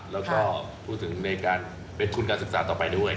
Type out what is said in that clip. แล้วก็พูดถึงในการเช่นฝ่า้าต่อไปด้วย